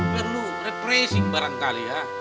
perlu refreshing barangkali ya